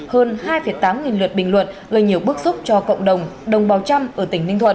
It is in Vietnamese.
hơn hai tám nghìn lượt bình luận gây nhiều bức xúc cho cộng đồng đồng bào trăm ở tỉnh ninh thuận